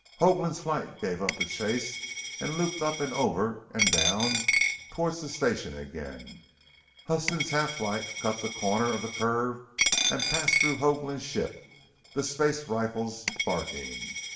Hoagland's flight gave up the chase and looped up and over and down towards the station again. Huston's half flight cut the corner of the curve and passed through Hoagland's ships, the space rifles barking.